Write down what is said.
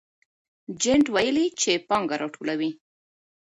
جینت ویلي چې پانګه راټولوي.